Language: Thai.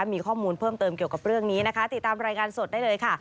มีข้อมูลเพิ่มเติมเกี่ยวกับเรื่องนี้นะคะติดตามรายงานสดได้เลยค่ะ